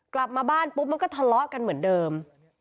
กลับมาบ้านปุ๊บมันก็ทะเลาะกันเหมือนเดิม